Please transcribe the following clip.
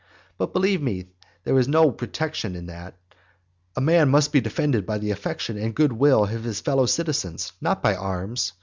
But believe me, there is no protection in that; a man must be defended by the affection and good will of his fellow citizens, not by arms.